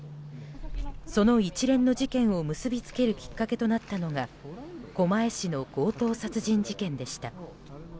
その一連の事件を結びつけるきっかけとなったのが狛江市の強盗殺人事件でした。